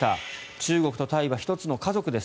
中国とタイは１つの家族です